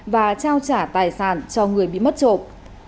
và trao trả tài sản cho người bị mất trộm